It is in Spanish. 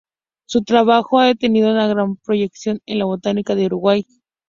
Su trabajo ha tenido una gran proyección en la Botánica de Uruguay.